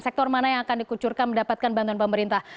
sektor mana yang akan dikucurkan mendapatkan bantuan pemerintah